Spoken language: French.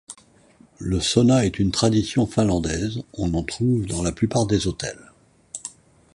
Le sauna est une tradition finlandaise: on en trouve dans la plupart des hôtels.